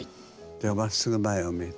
ではまっすぐ前を向いて。